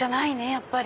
やっぱり。